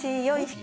はい。